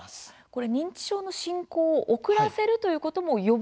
これ認知症の進行を遅らせるということも予防につながる。